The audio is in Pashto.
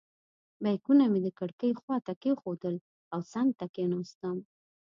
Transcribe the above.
بیکونه مې د کړکۍ خواته کېښودل او څنګ ته کېناستم.